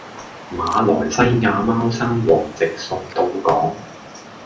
馬來西亞貓山王直送到港